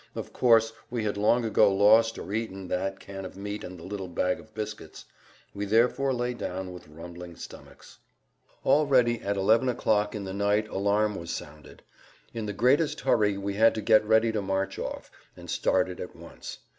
Of course, we had long ago lost or eaten that can of meat and the little bag of biscuits. We therefore lay down with rumbling stomachs. Already at 11 o'clock in the night alarm was sounded. In the greatest hurry we had to get ready to march off, and started at once.